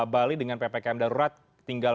bali dengan ppkm darurat tinggal